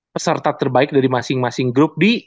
peserta terbaik dari masing masing grup di